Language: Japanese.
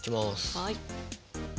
はい。